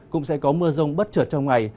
cũng sẽ có mưa rông bất trợt trong ngày